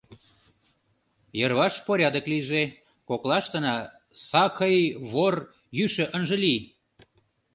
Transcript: — Йырваш порядок лийже, коклаштына сакый вор, йӱшӧ ынже лий.